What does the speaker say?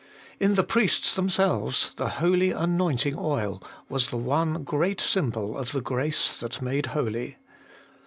In the priests them selves, the holy anointing oil was the one great symbol of the grace that made holy.